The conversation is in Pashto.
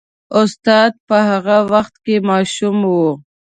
استاد په هغه وخت کې ماشوم و.